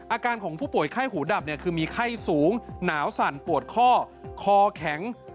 อาการของผู้ป่วยไข้หูดับเนี่ยคือมีไข้สูงหนาวสั่นปวดข้อคอแข็ง